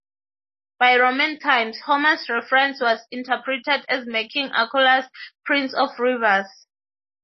By Roman times, Homer's reference was interpreted as making Achelous "prince of rivers".